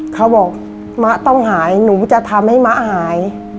เขาบอกมะต้องหายหนูจะทำให้มะหาย